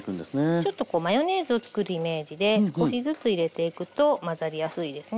ちょっとこうマヨネーズをつくるイメージで少しずつ入れていくと混ざりやすいですね。